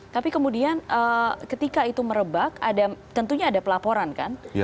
tapi kemudian ketika itu merebak tentunya ada pelaporan kan